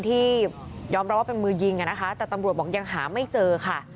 ที่ยอมรับว่าเป็นมือยิงนะคะแต่ตำรวจบอกยังหาไม่เจอค่ะ